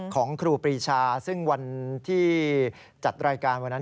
ครูปรีชาซึ่งวันที่จัดรายการวันนั้น